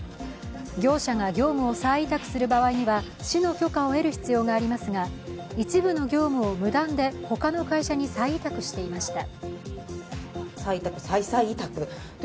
業者が業務を再委託する場合には市の許可を得る必要がありますが、一部の業務を無断で他の会社に再委託していました。